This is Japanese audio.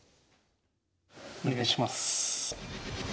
お願いします。